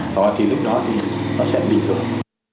rồi thì lúc đó thì nó sẽ bị tổn thương